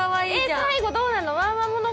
最後どうなんの？